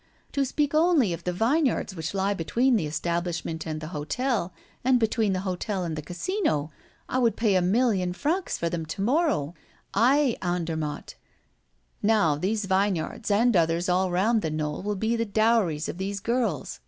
To speak only of the vineyards which lie between the establishment and the hotel and between the hotel and the Casino, I would pay a million francs for them to morrow I, Andermatt. Now, these vineyards and others all round the knoll will be the dowries of these girls.